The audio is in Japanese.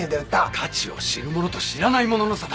価値を知る者と知らない者の差だ。